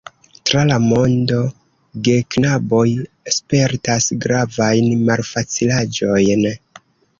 Tra la mondo geknaboj spertas gravajn malfacilaĵojn.